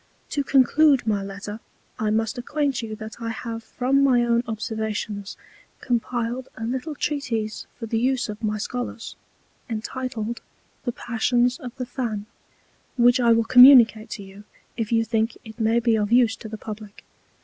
To conclude my Letter, I must acquaint you that I have from my own Observations compiled a little Treatise for the use of my Scholars, entitled The Passions of the Fan; which I will communicate to you, if you think it may be of use to the Publick.